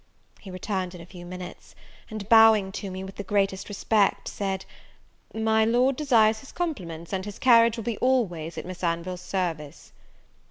He returned in a few minutes; and, bowing to me with the greatest respect, said, "My Lord desires his compliments, and his carriage will be always at Miss Anville's service."